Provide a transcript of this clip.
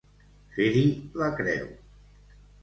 Fer-hi la creu.